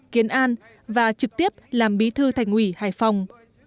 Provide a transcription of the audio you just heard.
kiến an và trực tiếp làm bí thư thành ủy hải phòng